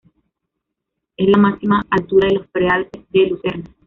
Es la máxima altura de los Prealpes de Lucerna.